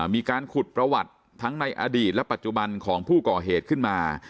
มีการขุดประวัติทั้งในอดีตและปัจจุบันของผู้ก่อเหตุขึ้นมา